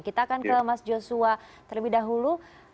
kita akan ke mas joshua terlebih dahulu